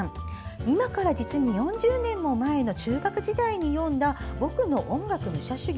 今から実に４０年も前の中学生時代に読んだ「ボクの音楽武者修行」。